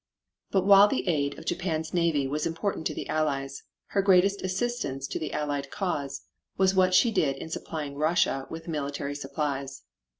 But while the aid of Japan's navy was important to the Allies, her greatest assistance to the Allied cause was what she did in supplying Russia with military supplies.